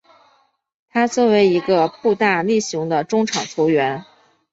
他成为一个步大力雄的中场球员。